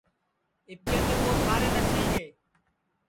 اِٻکے تو ٻو سارے نسیگے ہے